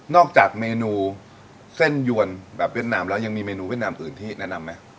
จากเมนูเส้นยวนแบบเวียดนามแล้วยังมีเมนูเวียดนามอื่นที่แนะนำไหม